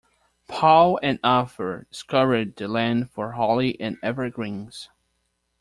Paul and Arthur scoured the land for holly and evergreens.